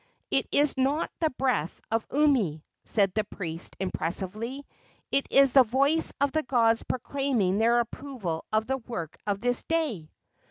"It is not the breath of Umi," said the priest, impressively; "it is the voice of the gods proclaiming their approval of the work of this day!"